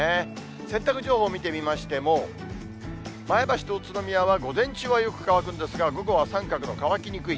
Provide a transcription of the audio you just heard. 洗濯情報を見てみましても、前橋と宇都宮は、午前中はよく乾くんですが、午後は三角の乾きにくい。